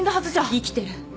生きてる。